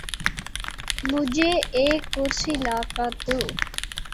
مجھے ایک کرسی لا کر دو